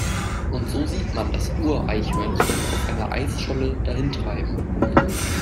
Und so sieht man das Ureichhörnchen auf einer Eisscholle dahintreiben.